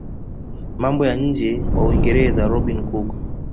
mambo ya nje wa Uingereza Robin cook